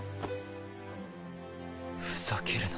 ふざけるな。